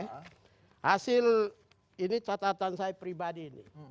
hasil ini catatan saya pribadi ini